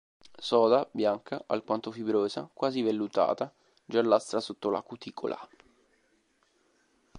Soda, bianca, alquanto fibrosa, quasi "vellutata", giallastra sotto la cuticola.